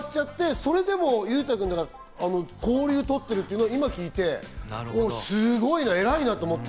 それでも、裕太くんが交流を取っているというのを今聞いてすごいな、偉いなと思った。